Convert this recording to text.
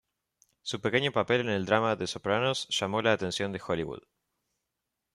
Su pequeño papel en el drama "The Sopranos" llamó la atención de Hollywood.